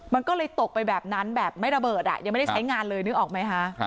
มันก็เลยตกไปแบบนั้นแบบไม่ระเบิดยังไม่ได้ใช้งานเลยนึกออกไหมคะ